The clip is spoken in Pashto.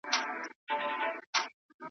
« اتفاق په پښتانه کي پیدا نه سو.